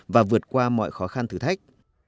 và vượt qua mọi khó khăn thử thách